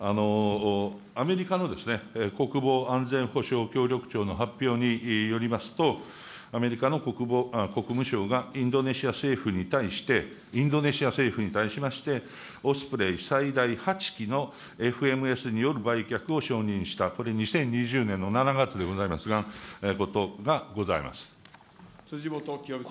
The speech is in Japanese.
アメリカの国防安全保障協力庁の発表によりますと、アメリカの国務省がインドネシア政府に対して、インドネシア政府に対しまして、オスプレイ最大８機のＦＭＳによる売却を承認した、これ、２０２０年の７月でございますが、こと辻元清美さん。